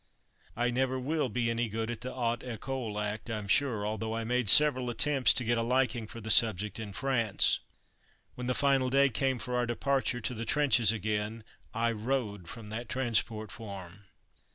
I never will be any good at the "Haute Ecole" act, I'm sure, although I made several attempts to get a liking for the subject in France. When the final day came for our departure to the trenches again, I rode from that Transport Farm.